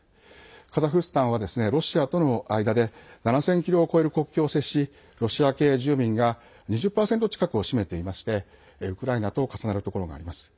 カザフスタンはロシアとの間で７０００ｋｍを越える国境を接しロシア系住民が２０％近くを占めていましてウクライナと重なるところがあります。